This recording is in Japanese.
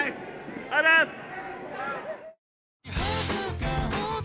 ありがとうございます。